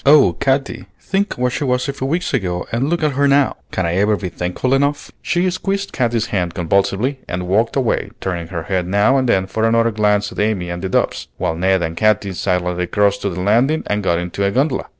"Oh, Katy, think what she was a few weeks ago and look at her now! Can I ever be thankful enough?" She squeezed Katy's hand convulsively and walked away, turning her head now and then for another glance at Amy and the doves; while Ned and Katy silently crossed to the landing and got into a gondola.